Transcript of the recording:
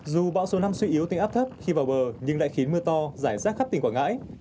dù bão số năm suy yếu thành áp thấp khi vào bờ nhưng lại khiến mưa to giải rác khắp tỉnh quảng ngãi